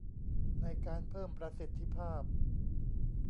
ในการเพิ่มประสิทธิภาพ